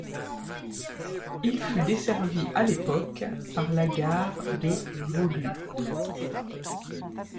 Il fut desservi à l’époque par la gare de Woluwe.